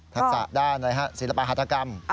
ทักษะด้านศิลปะหัตถกรรม